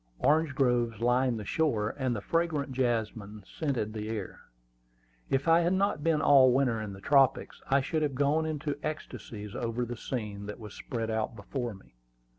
Orange groves lined the shore, and the fragrant jasmine scented the air. If I had not been all winter in the tropics, I should have gone into ecstasies over the scene that was spread out before me.